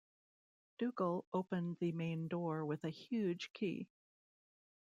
Dougal opened the main door with a huge key.